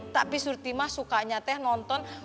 tapi surti mah sukanya teh nonton